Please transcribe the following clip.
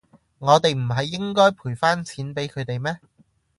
我哋唔係應該賠返錢畀佢哋咩？